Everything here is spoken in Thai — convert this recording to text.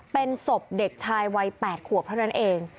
เป็นศพเด็กชายวัย๘ขวบเท่านั้นเอง